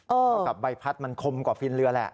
เท่ากับใบพัดมันคมกว่าฟินเรือแหละ